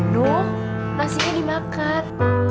nuh nasinya dimakan